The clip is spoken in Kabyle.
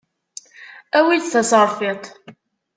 Awi-d taserfiṭ.